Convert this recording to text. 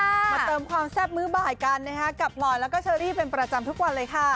มาเติมความแซ่บมื้อบ่ายกันนะคะกับพลอยแล้วก็เชอรี่เป็นประจำทุกวันเลยค่ะ